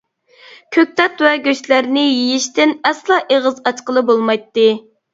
كۆكتات ۋە گۆشلەرنى يېيىشتىن ئەسلا ئېغىز ئاچقىلى بولمايتتى.